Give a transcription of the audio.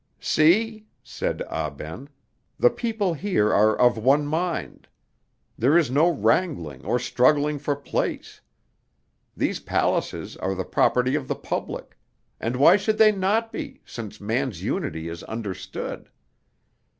"See," said Ah Ben, "the people here are of one mind. There is no wrangling nor struggling for place. These palaces are the property of the public; and why should they not be, since man's unity is understood?